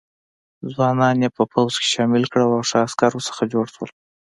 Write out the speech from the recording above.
ځوانان یې په پوځ کې شامل کړل او ښه عسکر ورڅخه جوړ شول.